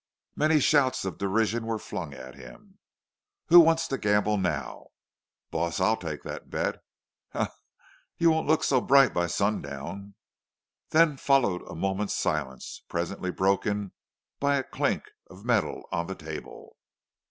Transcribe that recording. More shouts of derision were flung at him. "Who wants to gamble now?" "Boss, I'll take thet bet." "Haw! Haw! You won't look so bright by sundown." Then followed a moment's silence, presently broken by a clink of metal on the table.